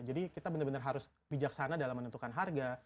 jadi kita benar benar harus bijaksana dalam menentukan harga